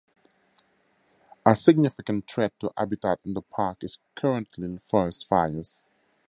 A significant threat to habitat in the park is currently forest fires.